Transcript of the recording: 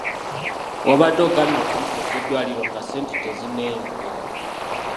Wabadde ogambye okumukyusa eddwaliro nga ssente tezinneeyongera!